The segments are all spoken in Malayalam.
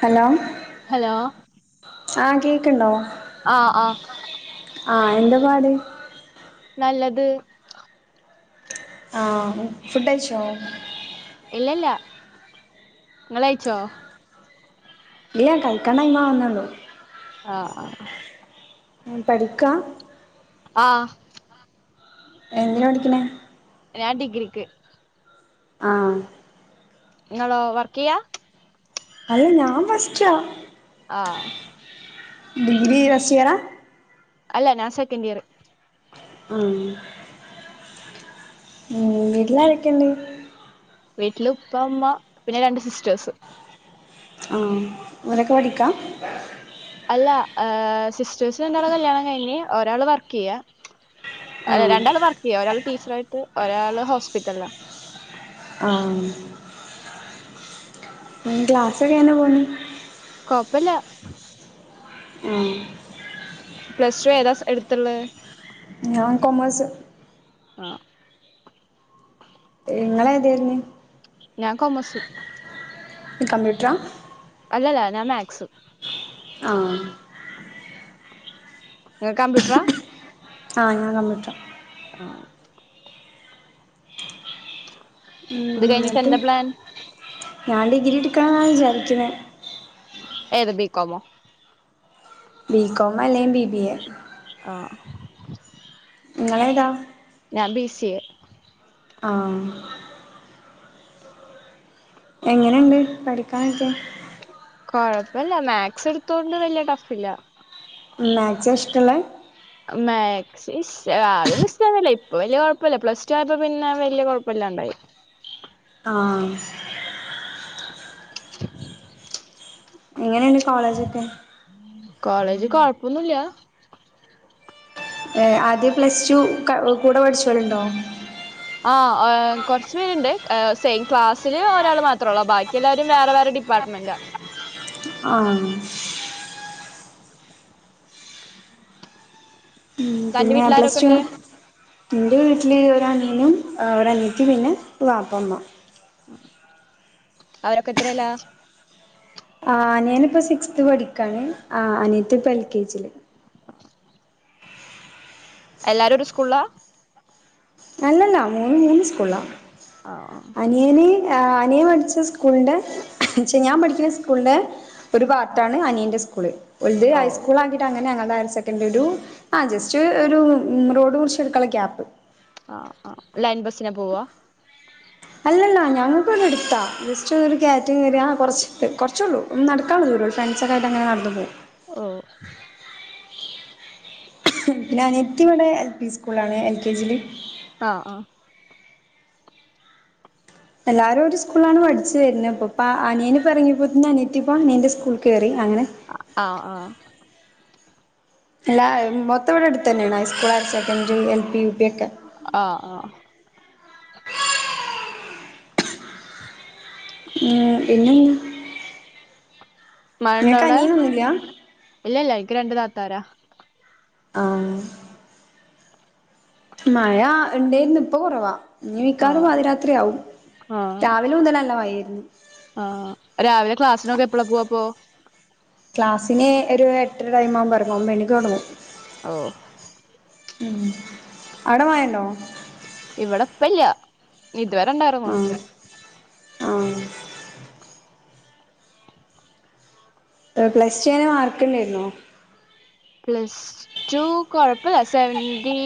ഹലോ ഹലോ ആഹ കേക്ക്ണ്ടോ? ആഹ് ആഹ് ആഹ എന്ത പാട്? നല്ലത്. ആ ഫുടൈച്ചോ? ല്ല ല്ല നിങ്ങളയച്ചോ? ഇല്ല കഴിക്കാൻടൈമാവുന്നള്ളു. ആഹ് ആഹ് പഠിക്കാ? ആഹ് എന്തിന പഠിക്കണെ? ഞാൻ ഡിഗ്രിക്ക്. ആഹ് ങ്ങാളോ വർക്ക് യ്യാ? അല്ല ഞാൻ ആഹ് ഫസ്റ്റാഡിഗ്രി ഫസ്റ്റിയറാ? അല്ല ഞാൻ സക്കന്റിയർ. ആഹ് ഉം വീട്ടിലാരൊകണ്ട്. വീട്ടില് ഉപ്പ ഉമ്മ പിന്നെ രണ്ട് സിസ്റ്റേഴ്സ്. ആഹ് ആലൊക്കെ പഠിക്കാ - - അല്ല സിസ്റ്റേഴസിന് രണ്ടാളെ കല്യാണം കഴിഞ്ഞ ഒരാള് വർക്ക് യ്യാ ആ രണ്ടാള് വർക്ക് ചെയ്യ ഒരാൾ ടീച്ചർ ആയിട്ട് ഒരാള് ഹോസ്പിറ്റല ആഹ് ക്ലാസ്സൊക്കെ എങ്ങനെപോന്നു കൊയപ്പല്ല. ആഹ് പ്ലസ് ടു ഏതാസ് എടുത്ത്ള്ളേ? ഞാൻ കോമേഴ്‌സ്. ആഹ് നിങ്ങളേതേയിര്ന്ന്? ഞാൻ കൊമേസ്. ത് കമ്പ്യൂട്ട്രാ. എല്ലല്ലാ ഞാ മാക്സ്. ആഹ് ഇങ്ങ കംപ്യൂട്ടറ ആഹ് ഞാൻ കമ്മിട്ട്രാ. ആഹ്. ഉം ഇത് കഴിഞ്ഞിട്ട് ന്നട്ട് എന്താ പ്ലാൻ? ഞാൻ ഡിഗ്രിഇട്ക്കാന്നാണ് ചാരിക്ക്‌ണെ ഏത് ബീക്കോമോ? ബി കോം അലേം ബി ബി എ. ആഹ് ഇങ്ങളേ താ? ഞാൻ ബി സി എ. ആഹ് എങ്ങനെണ്ട് പഠിക്കാനോക്കെ? കൊഴപ്പല്ല മാത്സ് എടുത്തൊണ്ട് വല്യ ടഫ് ഇല്ല മാകസ ഇഷ്ടല്ലേ.? മേക്സിഷ് ആദ്യോന്നും ഇഷ്ടല്യായിര്നില്ല ഇപ്പോൾ വലിയ കൊയപ്പല്യ പ്ലസ്ടു ആയപ്പോൾ പിന്നെ വെല്യ കുഴപ്പല്യാണ്ട പൊയി. ആഹ്. [inaudible] എൻ കോളേജ്ക്കെ. കോളേജ് കൊഴപ്പൊന്നുല്യാ. ഏഹ് ആദ്യം പ്ലസ് ടു കൂടെ പഠിച്ചോലുണ്ടോ? ആ ഓഹേം കൊറച്ച് പേരുണ്ട്. സെയിം ക്ലാസ്സിൽ ഒരാൾ മാത്രോള്ളൂ ബാക്കി എല്ലാരും വേറെ വേറെ ഡിപ്പാർട്ട് മെന്റാ. ആഹ് ഉം തന്റെ പിനേ വീട്ടിലാരൊക്കെ പ്ലസ് ടു ഉണ്ട് ഇന്റെ വീട്ടിൽ ഒരു അനിയനും ഒരു അനീയാത്തിം. പിന്നെ വാ പ്പമ്മ അവരൊക്കെ എത്രേല്ലാ? ആ അനിയാന് ഇപ്പോ സിക്സ്ത് പഠിക്കാണ്. ആ അനിയത്തി ഇപ്പ എൽ. കെ. ജി യില്. എല്ലാരും ഒരു സ്കൂളാ? അല്ലല്ലാ മൂന്നും മൂന്ന് സ്കൂളാ. ആഹ. ആ നിയൻ പഠിച്ച സ്കൂളിൻ്റെ ൻച്ച് ഞാൻ പഠിക്ക്‌ണ സ്കൂളിൻ്റെ ഒരു ബാത്താണ് അനിയന്റെ സ്കൂള്. ഒൽത് ആഹ് ഓ ഹൈസ്കൂൾ ആകിട്ട് അങ്ങനെ രായിരസെക്കൻഡരൂ ആ് ജസ്റ്റ് ഒരു മ് റോഡുർച്ച് കട്ക്കാള്ള ഗ്യാപ്പ്. ആ ആ ലൈൻ ബസിനാ പോവാ? അല്ലല്ല--ഞങ്ങൾക്വ്ടെഅടുത്ത ജസ്റ്റ്‌ ഒരുക്കേറ്റം കേറിയ കുറച് കുറച്ചൊള്ളു ഒന്ന് നടക്കല്ലേ ദൂ ഒരുൂൾ ഫ്രണ്ട്സക്കായിട്ടഅങ്ങെനേ നട് ന്ന് പോവും. ഓ ഇഹ്ഹും ന്റനിയത്തിവിടെ എൽ പി സ്കൂളിലാണ് എൽ കെ ജിയില്. ആ ആഹ് എല്ലാരു ഒരു സ്ക്കുള്ളാണ് പഠിച്ച് വെര്നെ പ്പപ്പാ അനിയനിപ്പറങ്ങിയപ്പോതിന് അനിയത്തിപ്പ അനിയന്റ്സ്കൂൾക്കേറി. ആഹ ആഹ അല്ല മൊത്തംവിടെ അടുത്ത് തന്നെയാണ് high school higher secondary L P U P ഒക്കെ ആഹ് ഹും പിന്നെ എൻ നിങ്ങക്ക് അനിയനൊന്നുല്ല ഇല്ല ഇല്ല എനിക്ക് രണ്ട് താത്താരാ ആ മഴ ഉണ്ടേര്ന്ന് ഇപ്പ കൊറവാ ഇനി മിക്കാറും ആഹ് പാതിരാത്രിയാവും ആഹ് രാവിലെ മുതലല്ല മഴ ആയരുന്നു ആഹ് രാവിലെ ക്ലാസ്സിനൊക്കെ എപ്പ്ളാ പോവാപ്പോ ക്ലാസ്സിന് ഒരു എട്ടര ടൈം ആമ്പോൾ എർങ്ങും ഒമ്പെണിക്ക് തൊടങ്ങും ഓ അവിടെ മയണ്ടോ ഇവിടെപ്പല്ല ഇതുവരെ ഇണ്ടായിരുന്നു ആഹ് ആഹ് പ്ലസ് റ്റുവിന് മാർക്കിണ്ടായിരുന്നോ പ്ലസ് ടു കൊഴപ്പല്ല സെവന്റി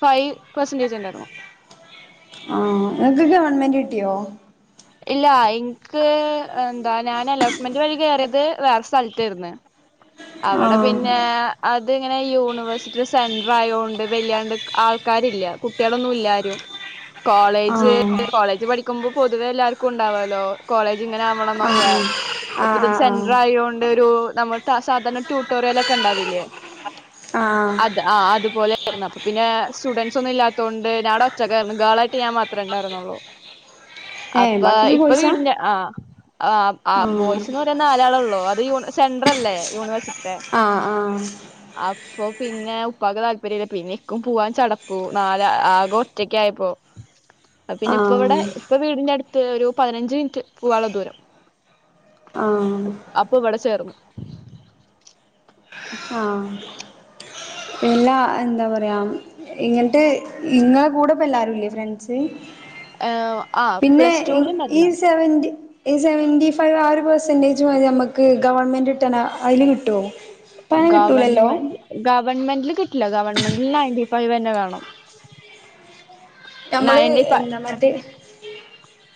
ഫൈവ് പെർസെന്റേജിണ്ടായിരുന്നു ആഹ് നിങ്ങക്ക് ഗവൺമെന്റിട്ടിയോ ഇല്ല ഇൻക്ക് എന്താ ഞാൻ അലോട്ട്മെന്റ് വഴി കയറിയത് വേറെ സ്ഥലത്തയിരുന്നു അവിടെ ആഹ് പിന്നെ അതിങ്ങനെ യൂണിവേഴ്സിറ്റിടെ സെന്റ്രായോണ്ട് വെല്യാണ്ട് ആൾക്കാരില്ല കുട്ട്യാളൊന്നുല്ലാരും കോളേജ് ആഹ് കോളേജ് പഠിക്കുമ്പോ പൊതുവെ എല്ലാർക്കുണ്ടാവല്ലോ കോളേജ് ഇങ്ങനെ ആവണം നൊക്കെ ആഹ് ഇ പ്പം ആഹ് ആഹ് ഇത് ആഹ് ആഹ് സെന്റ്രായോണ്ട് ഒരു നമ്മ സാധാരണ ട്യൂട്ടോറ്യെൽ ഒക്കെ ഇണ്ടാവില്ലേ ആഹ് അത് ആഹ് അതുപോലൊയിരുന്നു അപ്പൊ പിന്നെ സ്റ്റുഡന്റ്സൊന്നുല്ലാത്തോണ്ട് ഞാടെ ഒറ്റക്കാരുന്നു ഗേളായിട്ട് ഞാൻ മാത്രേ ഇണ്ടാരുന്നൊള്ളൂ ഏ അപ്പൊ ബാക്കിയൊക്കെ ഇപ്പൊ കോഴ്സാ വീടിന്റെ ആഹ് ആ ആ ആഹ് ബോയ്സ്ന്ന് പറയാൻ നാലാളൊള്ളോ അത് യു സെൻ്റ്രല്ലേ യൂണിവേഴ്സിറ്റിടെ ആഹ് അപ്പൊ പിന്നെ ഉപ്പാക്ക് താല്പര്യല്ല പിന്നെ ഇക്കും പൂവാൻ ചടപ്പു നാലാ ആകെ ഒറ്റക്കായപ്പോ അപ്പൊ പിന്നെ ഇപ്പ ഇവിടെ ആഹ് ഇപ്പൊ വീടിന്റെ അടുത്ത് ഒരു പതിനഞ്ച് മിൻറ്റ് പോവാള്ള ദൂരം ആഹ് ആഹ് അപ്പൊ ഇവിടെചേർന്നു ആഹ് എല്ലാ എന്താ പറയാ ഇങ്ങൻട്ട് ഇങ്ങളെ കൂടെ ഇപ്പെല്ലാരുല്ലേ ഫ്രണ്ട്സ് ആഹ് പിന്നെ ഈ സെവന്റി ഈ സെവൻറി ഫൈവ് ആ ഒരു പെർസെൻറേജ് മതി നമ്മക്ക് ഗവൺമെന്റിട്ടന അയില് കിട്ടോ ഗവൺമെന്റ് ഗ ഗവൺമെന്റിൽ കിട്ടില്ല ഗവൺമെന്റിൽ നയന്റി ഫൈവെന്നെ വേണം നമ്മള് എന്താ മറ്റേ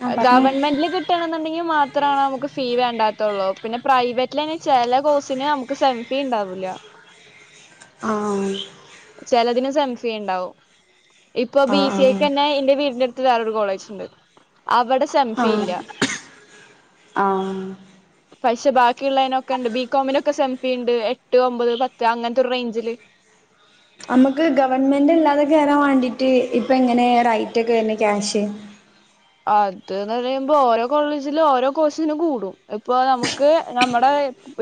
ആ പറഞ്ഞോ ഗവൺമെന്റിൽ കിട്ടാണ് ഇന്നിണ്ടെങ്കി മാത്രാണ് അമക്ക് ഫീ വേണ്ടാത്തുള്ളു പിന്നെ പ്രൈവറ്റ്ലെന്നെ ചെല കോഴ്സിന് നമുക്ക് സെംഫീ ഉണ്ടാവില്ല ആഹ് സെം ഫീണ്ടാവും ഇപ്പ ബി സി ആഹ് എക്കെന്നെ ഇന്റെ വീടിന്റടുത്ത് വേറൊരു കോളേജിണ്ട് അവിടെ ആഹ് ആഹ് സെംഫീയില്ല ആഹ് പക്ഷെ ബാക്കിള്ളെയ്നൊക്കെണ്ട് ബികോമിനൊക്കെ സെവെൻ പിണ്ട് എട്ട് ഒമ്പത് പത്ത് അങ്ങൻത്തൊരു റേഞ്ചില് നമ്മുക്ക് ഗവൺമെന്റ് ഇല്ലാതെക്കെ വരാൻ വേണ്ടീട്ട് ഇപ്പ എങ്ങനെ റൈറ്റ് ഒക്കെ വരുന്നു ക്യാഷ് അത് നറീമ്പോ ഓരോ കോളേജിലും ഓരോ കോഴ്സിനും കൂടും ഇപ്പൊ നമുക്ക് നമ്മടെ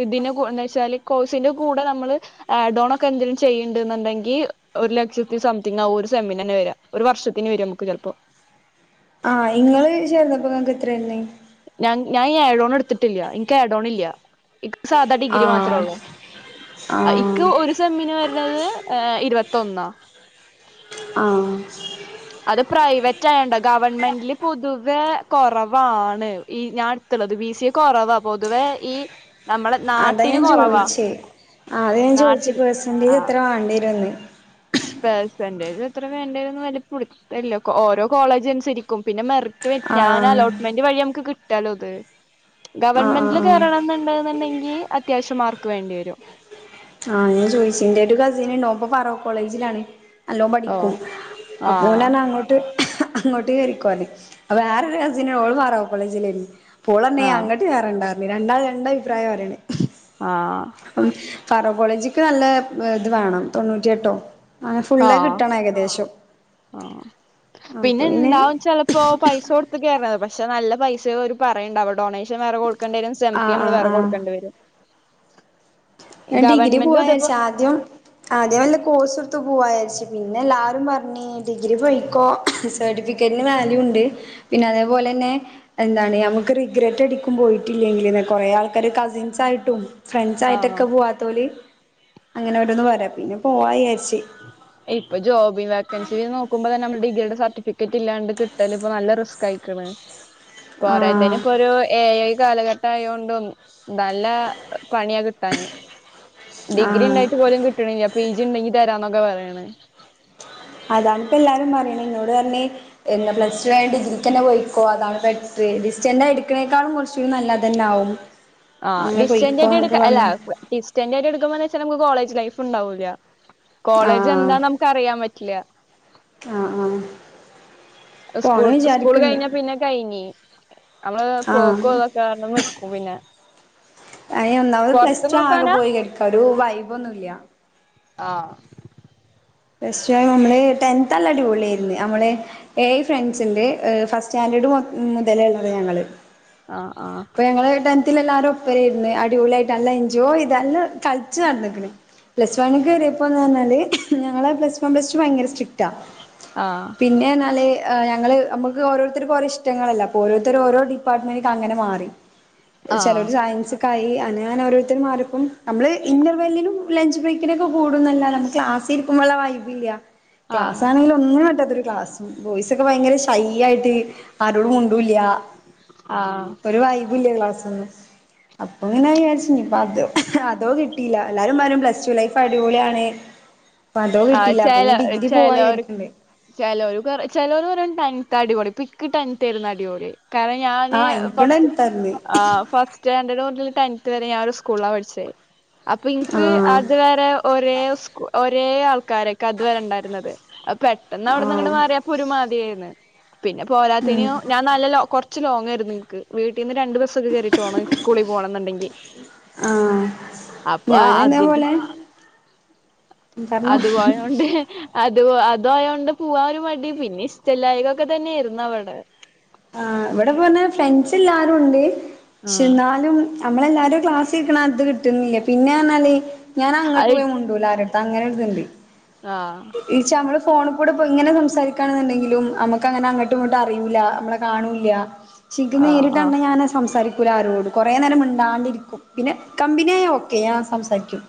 ഇതിന എന്താച്ചാല് കോഴ്സിന്റെ കൂടെ നമ്മള് ആഡോൺ ഒക്കെ എന്തേലും ചെയ്യിണ്ട്ന്നിണ്ടെങ്കി ഒരു ലക്ഷത്തി സംതിങ് ആം ഒരു സെമിന് വരാ ഒരു വർഷത്തിന് വര നമുക്ക് ചിലപ്പോ ആഹ് ഇങ്ങള് ചേർന്നപ്പോ നക്ക് എത്രെ ഇണ്ട് ഞാൻ ഈ ഏഡോൺ എടുത്തിട്ടില്ല. എനിക്ക് എഡോൺ ഇല്ല ഇ സാധാ ഡിഗ്രി മാത്രേ ആഹ് ഉള്ളൂ. ആഹ് ഇക്ക് ഒരു സെമ്മിന് വരുന്നത് ഏഹ് ഇരുപത്തി പത്തൊന്ന് ആഹ് അത് പ്രൈവറ്റ് ആയണ്ട ഗവൺമെന്റിില് പൊതുവെ കുറവാണ് ഈ ഞാൻടുത ത് ബി സി എ കുറവാ പൊതുവേ ഈ നമ്മളെ അതാ നാട്ടില് ഞാൻ കൊറവാ ചോയിച്ചേ ആഹ് അത് ഞാൻ ചോയിച്ചു നാട്ടിൽ പെർസെന്റേജ് ആഹ് എത്ര വാണ്ടിയെരുംന്ന് പെർസെന്റേജ് എത്ര വേണ്ടെരുന്ന് വലിയപുടുത്തല്ല. ഓരോ കോളേജ് അനുസരിക്കും പിന്നെ മെറി ഞാൻ ആഹ് അലോട്ട്മെന്റ് വഴി നമുക്ക് കിട്ടാലോ അത്. ആഹ് ആഹ് ഗവണ്മെന്റിൽ ആഹ് കേറണം എന്നുണ്ടന്നുണ്ടെങ്കി അത്യാവശ്യം മാർക്ക് വേണ്ടി വരും. ആഹ് ഞാൻ ചോയിച്ചി എന്റെ ഒരു കസിൻ ഉണ്ടോ പ്പം പറോക്ക് കോളേജിലാണ്. നല്ലോ ഓ പഠിക്കും. അപ്പോ ഒന് ആഹ് പറഞ്ഞ അങ്ങോട്ട് അങ്ങോട്ട് കേറിക്കോ അപ്പ വേറൊരു കസിന ഓ പറോ കോളേജില പോൾ പറേന്നെ ആഹ് അങ്ങട്ട് കേറെണ്ടാന്നു രണ്ടാള് രണ്ട് അഭിപ്രായം പരണ്. ആഹ് പറോ കോളേജിക്ക് നല്ല ഇത് വേണം തൊണ്ണൂറ്റിയെട്ടോ അങ്ങനെ ഫുള്ള് ആഹ് കിട്ടണം ഏകദേശം. ആഹ് പിന്നെ ഇണ്ടാവും ചിലപ്പോ പൈസ കൊടുത്ത കയറത് പ ക്ഷെ നല്ല പൈസ ഒരു പറയണ്ടവ ഡൊണേഷൻ വേറെ കൊടുക്കേണ്ടി വരും സെംഫി ആഹ് നമ്മള് ആഹ് വേറെ ആഹ് കൊടുക്കേണ്ടി വരും. ഞാൻ ഡിഗ്രി ഗവൺമെന്റിലും പോവച്ച ഇതേപ്പോ ആദ്യം ആദ്യം വല്ല കോഴ്സ് എടുത്ത് പോവ ച്ചു പിന്നെ എല്ലാരും പറഞ്ഞു ഡിഗ്രി പൊയ്ക്കോ സർട്ടിഫിക്കറ്റ് ന് വാല്യൂ ഉണ്ട്. പിന്നെ അ പോലെ തന്നെ എന്താണ് നമുക്ക് റിഗ്രറ്റ് അടിക്കും പോയിട്ടില്ലെങ്കില്ന്ന് കുറെ ആൾക്കാര് കസിൻസ് ആയിട്ടും. ഫ്രണ്ട്സ് ആഹ് ആയിട്ടൊക്കെ പോവാത്ത ഓല് അങ്ങനെ ഓരോന്ന് പറ പിന്നെ പോവാ വി ഇപ്പൊ ജോബി വക്കൻസി നോക്കുമ്പോ തന്നെ നമ്മ ഡിഗ്രിടെ സർട്ടിഫിക്കറ്റ് ഇല്ലാണ്ട് കിട്ടല് ഇപ്പോ നല്ല റിസ്ക് ആയിക്കണ്. പോരാത്തനി ആഹ് ഇപ്പൊ ഒരു ഏ ഐ കാലഘട്ട ആയൊണ്ടും നല്ല പണിയാ കിട്ടാന്. ഡിഗ്രി ആഹ് ഇണ്ടായിട്ട് പോലും കിട്ടണില്ല. പി ജി ഇണ്ടെങ്കി തരാന്നൊക്കെ പറയാണ്. അതാണിപ്പോ എല്ലാരും പറയണ ഇന്നോട് പറഞ്ഞെ എന്താ പ്ലസ്ടു കയിഞ്ഞ് ഡിഗ്രിക്ക് തന്നെ പോയിക്കോ അതാണ്ിപ്പ ഡിസ്റ്റന്റ് ആയി എടുക്കനെക്കാളും കുറച്ച് നല്ലതന്നെ ആവും. ആ ഡിസ്റ്റന്റ് എടുക്ക അല്ല ഡിസ്റ്റന്ററ് ആയിട്ട് എടുക്കുമ്പോ എന്താ വെച്ചായിഞ്ഞ നമുക്ക് കോളേജ് ലൈഫ് ണ്ടാവൂല കോളേജ് എന്താ നമ്മക്ക് അറിയാൻ പറ്റില്ല. ആ ആ സ്കൂൾ സ്കൂൾ കഴിഞ്ഞ പിന്നെ കഴിഞ്ഞ് നമ്മള് ആഹ് പോക്കും അതൊക്കെ നിക്കും പിന്നെ അ ഒന്നാമത് പ്ലസ് പൊറത്ത് ടു ആകെ നോക്കാനാ പോയി കെട്‌ക്ക ഒരു വൈബ് ഒന്നുല്ല. ആ പ്ലസ്‌റ്റു നമ്മള് ടെൻത് നല്ല അടിപൊളിയായിര്ന്ന് നമ്മള് എയ് ഫ്രണ്ട്സ്ണ്ട് എ ഫസ്റ്റ് സ് [unintelligible] മുതലേ ള്ളതാ ഞങ്ങള് ആ ആ ഇപ്പൊ ഞങ്ങള് ടെൻത്തിൽ എല്ലാരും ഒപ്പരം ഇര്ന്ന് അടിപൊളിയായിട്ട് നല്ല എൻജോയ് ചെയ്ത് നല്ല കളിച്ച് നടന്ന്ക്ക്ണ് പ്ലസ് വണിക്ക് കയറിപ്പോ ന്ന് പറഞ്ഞാല് ഞങ്ങള് പ്ലസ് വൺ പ്ലസ് ടു ഭയങ്കര സ്ട്രിക്റ്റ ആ പിന്നെ എന്നാല് ആഹ് ഞങ്ങള് നമ്മുക്ക് ഓരോരുത്തർ ഓരോ ഇഷ്ടങ്ങളല്ലെ അപ്പൊ ഓരോത്തർ ഓരോ ഡിപ്പാർട്ട്മെന്റക്ക് അങ്ങനെ മാറി. ആ ചെലർ സയൻസ്‌ക്കായി അങ്ങനെ ഓരോരുത്തർമാറിപ്പം നമ്മള് ഇന്റർവെല്ലിനും ലഞ്ച് ബ്രേക്കിനൊക്കെ കൂടുന്നല്ലാതെ നമ്മ ക്ലാസ്. ഇരിക്കുമ്പോല്ല വൈബ് ഇല്ല ആ ക്ലാസ് ആണെങ്കി ഒന്നിനും പറ്റാതെ ഒര് ക്ലാസും ബോയ്സ് ഒക്കെ ഭയങ്കര ഷൈ ആയിട്ട് ആ ആരോടും മിണ്ടുല ആഹ് ഒരു വൈ [unintelligible] ക്ലാസ്ന്ന് അപ്പൊ പിന്നെ ങ്ങനെ വിചാരിച്ച് അതോ അതോ കി ട്ടില്ല എല്ലാരും പറയും പ്ലസ് ടു ലൈഫ് അടിപൊളിയാണ്. അപ്പൊ അതോ ആ കിട്ടിയില്ല അപ്പൊ ചെല ഇനി ഡിഗ്രി പോവാ ചെലോർ വിചാരിക്കണ്ട് ചെലോർ ക ചെലോർ പറയും അടിപൊളി പ്പിക്കിട്ട് ടെൻത്ത് എനി അടിപൊളി കാരണം ഞാന് ആഹ് ഫസ്റ്റ് എനിക്കുണ്ടായിരുന്നു തന്ന് ഫസ്റ്റ് ആ ടെൻത്ത് വരെ ഞാൻ ഒരു സ്കൂളിലാ പട്‌ച്ചെ അപ്പൊ ന്ക്ക് ആഹ് അത് വരെ ഒരേ സ്കൂ ഒരേ. ഒരേ ആൾക്കാര ന്ക്ക് അത്വരെ ണ്ടായിര്ന്നത് പെട്ടെന്ന് അവ്ട്‌ന്ന് ങ്ങട് ആഹ് മാറിയാപ്പോ ഒരു മാതിരിയായ്ര്ന്ന്. പിന്നെ ഉം പോരാത്തെയെന് ഞാൻ നല്ല കൊറ്ച്ച് ലോങ് ആയിര്ന്നു ന്ക്ക് വിട്ടീന്ന്. രണ്ടു ദിവസൊക്കെ കേയറിട്ട് പോണം സ്കൂളിൽ പോണം ന്ന്ണ്ടെങ്കിൽ ആഹ് അപ്പൊ ഞാന് അതി ഇതേപോലെ പറഞ്ഞോ അതുപോയോണ്ട് അത് അതായോണ്ട് പോവാ ഒരു മടി പിന്നെ ഇഷ്ടലായ്ക ഒക്കെ തന്നെയെര്ന്ന് അവിട ആ വിടെ പോന് ഫ്രണ്ട്സ് എല്ലാവാരും ഉണ്ട് പക്ഷ ആഹ് ന്നാലും നമ്മളെല്ലാരും ക്ലാസ്ൽക്കണം അത് കിട്ടുന്നില്ല പിന്നെ പർഞ്ഞാൽ ഞാൻ അങ്ങട്ട് പോയി മണ്ടൂല ആരെട്‌ത്തും അ അങ്ങനെ ഒര്ത്ണ്ട് ആ ഫോണിൽ കൂടെ പ്പം ഇങ്ങനെ സംസാരിക്കാണെന്നുണ്ടെങ്കിലും നമ്മക്ക് അങ്ങനെ അങ്ങട്ടും ഇങ്ങട്ടും അറിയുല്ല നമ്മളെ കാണൂല്ല ന്ക്ക് ആഹ് നേരിട്ട് കണ്ട ഞാൻ സംസാരിക്കും [unintelligible] കുറെേ നേരം മിണ്ടാണ്ടിരിക്കും പിന്നെ കമ്പിനിയായ ഓക്കെ ഞാൻ സംസാരിക്കും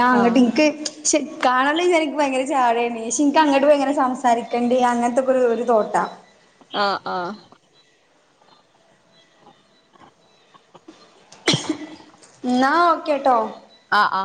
ആ അങ്ങട്ട് ആഹ് ഇന്ക്ക് പക്ഷെ കാണാണ്ട് വിചാരിക്കും ന്ക്ക് ഭയങ്കര ജാടയാണ് പക്ഷെ ന്ക്ക് അങ്ങട്ട് പോയി എങ്ങനെ സംസാരിക്കണ്ട അങ്ങനത്തെക്ക ഒരു തോട്ടാ. ആ ആ എന്നാ ഓക്കെ ട്ടോ ആ ആ